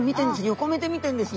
横目で見てるんですね。